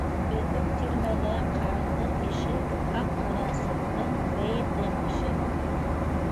Беҙҙең тирмәлә карындык ишек - Һаҡ менән Суктың бәйетен ишет...